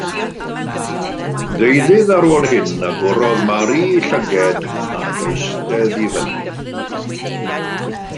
Ddeuddydd ar ôl hyn, agorodd Mary ei llygaid ac eistedd i fyny.